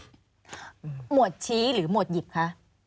หมวดชี้หรือหมวดหยิบคะ